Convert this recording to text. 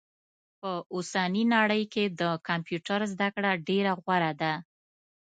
په اوسني نړئ کي د کمپيوټر زده کړه ډيره غوره ده